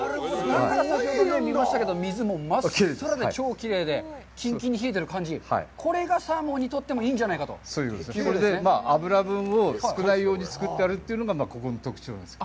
だから、先ほども見ましたけど、水も真っさらで超きれいで、きんきんに冷えてる感じ、これがサーモンにとってもいいんじゃないかと。それで脂分を少ないように作ってあるというのがここの特徴なんですよ。